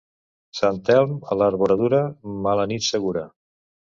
Sant Elm a l'arboradura, mala nit segura.